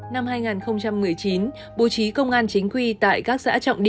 năm hai nghìn một mươi chín bố trí công an chính quy tại các xã trọng điểm